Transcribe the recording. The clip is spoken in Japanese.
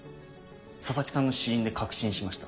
佐々木さんの死因で確信しました。